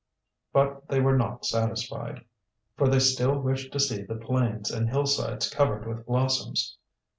But they were not satisfied, for they still wished to see the plains and hillsides covered with blossoms.